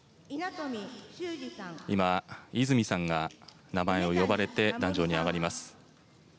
今、泉さんが名前を呼ばれて壇上に上がります。